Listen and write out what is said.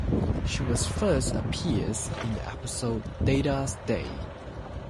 She first appears in the episode "Data's Day".